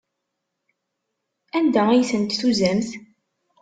Anda ay tent-tuzamt?